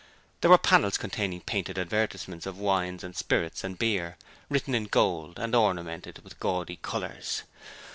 There were panels containing painted advertisements of wines and spirits and beer, written in gold, and ornamented with gaudy colours.